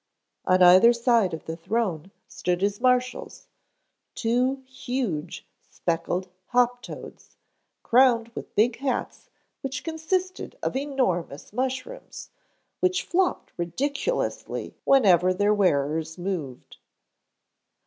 On either side of the throne stood his marshals, two huge, speckled hoptoads, crowned with big hats which consisted of enormous mushrooms, which flopped ridiculously whenever their wearers moved.